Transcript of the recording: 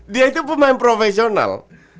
dia itu pemain profesional